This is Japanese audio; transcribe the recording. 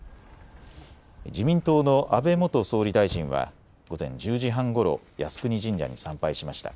自民党の安倍元総理大臣は午前１０時半ごろ、靖国神社に参拝しました。